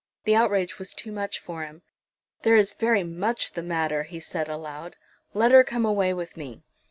The outrage was too much for him. "There is very much the matter," he said, aloud; "let her come away with me."